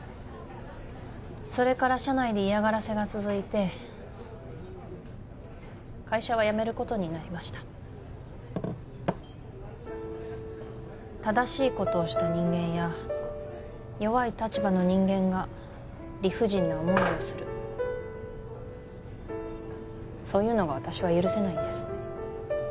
それから社内で嫌がらせが続いて会社は辞めることになりました正しいことをした人間や弱い立場の人間が理不尽な思いをするそういうのが私は許せないんです